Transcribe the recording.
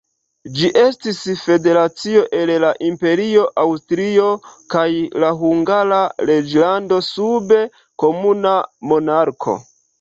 Ĝi estis federacio el la imperio Aŭstrio kaj la Hungara reĝlando sub komuna monarko.